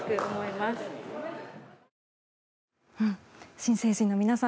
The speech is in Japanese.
新成人の皆さん